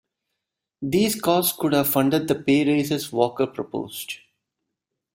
Those costs could have funded the pay raises Walker proposed.